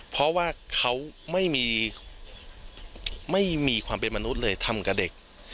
เพราะว่าเขาไม่มีไม่มีความเป็นมนุษย์เลยทำกับเด็ก